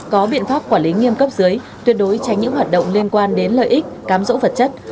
có biện pháp quản lý nghiêm cấp dưới tuyệt đối tránh những hoạt động liên quan đến lợi ích cám dỗ vật chất